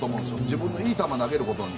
自分のいい球を投げることに。